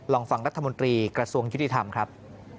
ลองฟังรัฐมนตรีกระทรวงยุติธรรมครับ